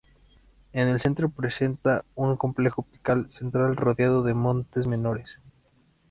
En el centro presenta un complejo pico central rodeado de montes menores.